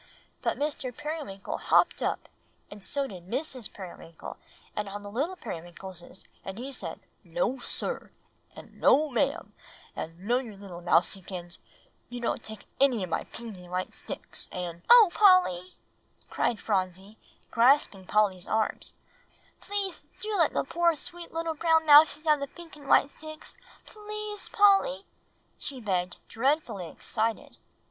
But Mr. Periwinkle hopped up, and so did Mrs. Periwinkle, and all the little Periwinkleses, and he said, 'No, sir, and No, ma'am, and no, you little Mousiekins, you don't take my pink and white sticks, and'" [Illustration: The pink and white sticks.] "O Polly!" cried Phronsie, grasping Polly's arm, "please do let the poor, sweet little brown mousies have the pink and white sticks. Please, Polly!" she begged, dreadfully excited.